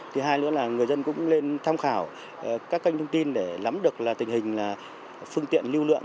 thứ hai nữa là người dân cũng nên tham khảo các kênh thông tin để lắm được là tình hình phương tiện lưu lượng